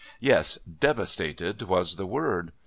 Yes. devastated was the word.